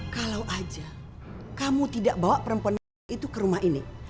kalau aja kamu tidak bawa perempuan anak itu ke rumah ini